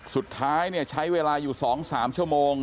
สุดท้ายใช้เวลาอยู่๒๓ชั่วโมง